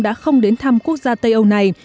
đã không đến thăm quốc gia tây âu này